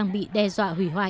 vì đe dọa hủy hoại